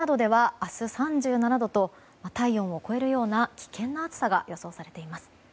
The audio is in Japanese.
更に大津や京都、鳥取などでは明日、３７度と体温を超えるような危険な暑さが予想されています。